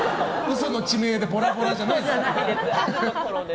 嘘の地名でボラボラじゃねえよ。